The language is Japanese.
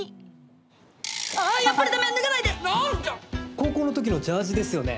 高校の時のジャージですよね。